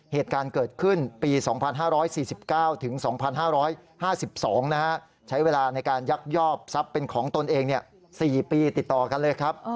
เหตุการณ์เกิดขึ้นปี๒๕๔๙๒๕๕๒ใช้เวลาในการยักยอบทรัพย์เป็นของตนเอง๔ปีติดต่อกันเลยครับ